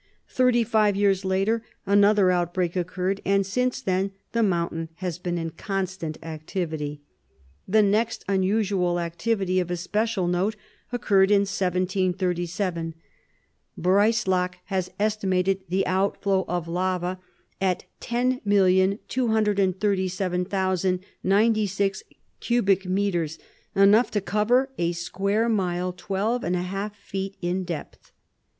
Thirty five years later another outbreak occurred; and since then the mountain has been in constant activity. The next unusual activity of especial note occurred in 1737. Breislak has estimated the outflow of lava at [Illustration: VESUVIUS IN 1737.] 10,237,096 cubic meters; enough to cover a square mile twelve and a half feet in depth.